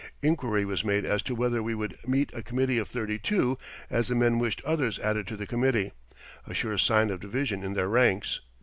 Inquiry was made as to whether we would meet a committee of thirty two, as the men wished others added to the committee a sure sign of division in their ranks.